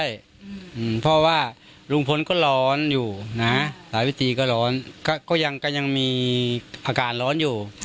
เพราะว่าลุงพลก็ร้อนอยู่นะหลายวิธีก็ร้อนก็ยังมีอาการร้อนอยู่